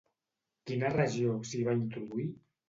Quina regió s'hi va introduir?